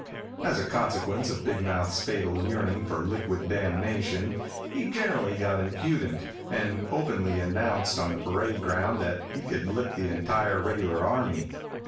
As a consequence of Big Mouth's fatal yearning for liquid damnation, he generally got impudent, and openly announced on the parade ground that he could lick the entire regular army.